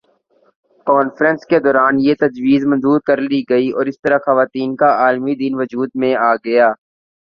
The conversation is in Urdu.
کانفرنس کے دوران یہ تجویز منظور کر لی گئی اور اس طرح خواتین کا عالمی دن وجود میں آگیا